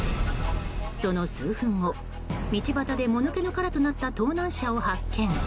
その数分後、道端でもぬけの殻となった盗難車を発見。